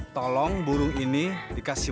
tolong burung ini dikasih